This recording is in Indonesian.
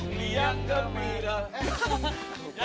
apa kemana apa deh